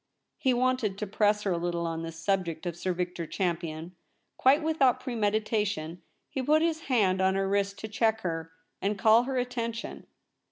He wanted to press her a little on this subject of Sir Victor Champion ; quite with out premeditation he put his hand on her wrist to check her, and call her attention.